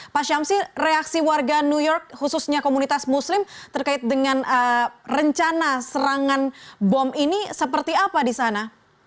pak syamsi reaksi warga new york khususnya komunitas muslim terkait dengan rencana serangan bom ini seperti apa di sana